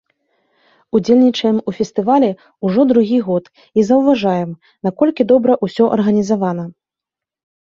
Удзельнічаем у фестывалі ўжо другі год і заўважаем, наколькі добра ўсё арганізавана.